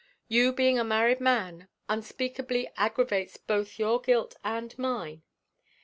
You being a married man unspeakably aggravates both your guilt and mine.